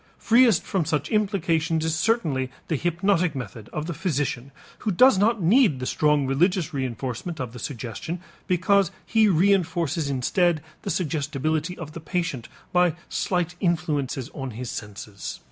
Freest from such implications is certainly the hypnotic method of the physician who does not need the strong religious reënforcement of the suggestion because he reënforces instead the suggestibility of the patient by slight influences on his senses.